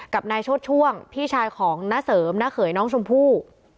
กับนายโชดช่วงพี่ชายของน้าเสริมน้าเขยน้องชมพู่